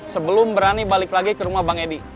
sebelum berani balik lagi ke rumah bang edi